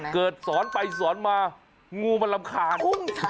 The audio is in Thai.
เกิดสอนไปสอนมางูมันรำคาญ